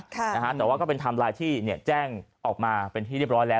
แต่ว่าก็เป็นไทม์ไลน์ที่แจ้งออกมาเป็นที่เรียบร้อยแล้ว